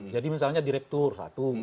jadi misalnya direktur satu